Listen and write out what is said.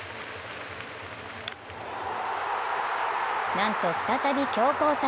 なんと再び強攻策！